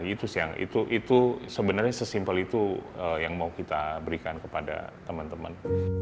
itu sebenarnya sesimpel itu yang mau kita berikan kepada teman teman